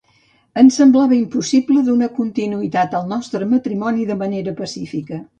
Ens semblava impossible donar continuïtat al nostre matrimoni de manera pacífica.